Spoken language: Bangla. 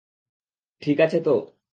ঠিক আছে তো?